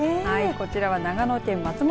こちらは長野県松野